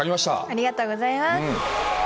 ありがとうございます。